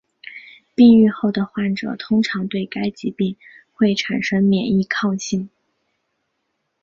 病愈后的患者通常对该疾病会产生免疫抗性。